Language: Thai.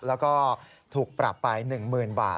แล้วก็ถูกปรับไป๑๐๐๐บาท